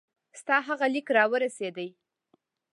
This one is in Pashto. ستا هغه لیک را ورسېدی.